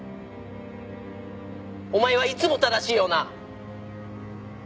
お前はいつも正しいよな。